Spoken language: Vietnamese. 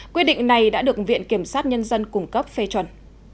quyết định này đã được viện kiểm sát nhân dân cung cấp phê chuẩn